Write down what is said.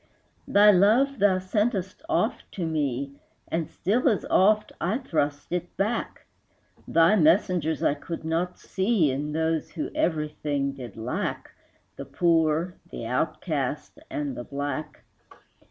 Thy love thou sentest oft to me, And still as oft I thrust it back; Thy messengers I could not see In those who everything did lack, The poor, the outcast, and the black.